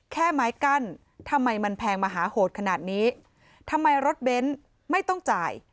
แค่ไม้กั้นทำไมมันแพงมหาโหดขนาดนี้ทำไมรถเบ้นไม่ต้องจ่าย